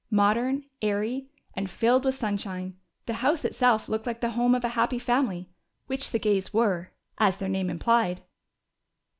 Modern, airy, and filled with sunshine, the house itself looked like the home of a happy family, which the Gays were as their name implied.